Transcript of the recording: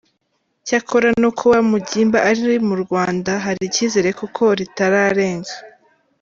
Cyakora, no kuba Mugimba ari mu Rwanda, hari icyizere kuko ritararenga.